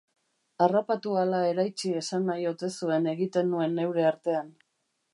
Harrapatu ala eraitsi esan nahi ote zuen egiten nuen neure artean.